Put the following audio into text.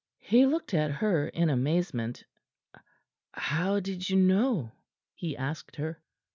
He looked at her in amazement. "How did you know?" he asked her.